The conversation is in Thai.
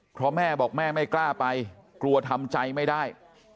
เพราะแม่บอกแม่ไม่กล้าไปกลัวทำใจไม่ได้